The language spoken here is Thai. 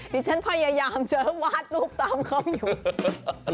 ดิฉันพยายามจะวาดรูปตามเขาอยู่